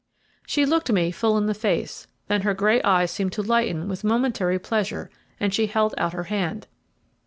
She looked me full in the face, then her grey eyes seemed to lighten with momentary pleasure, and she held out her hand.